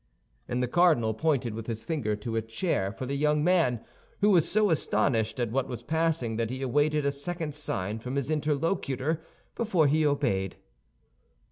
And the cardinal pointed with his finger to a chair for the young man, who was so astonished at what was passing that he awaited a second sign from his interlocutor before he obeyed.